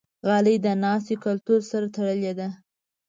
غالۍ د ناستې کلتور سره تړلې ده.